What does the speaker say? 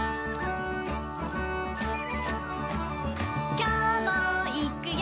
「きょうもいくよ！」